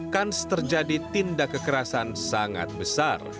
kans terjadi tindak kekerasan sangat besar